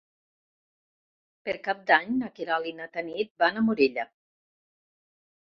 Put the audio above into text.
Per Cap d'Any na Queralt i na Tanit van a Morella.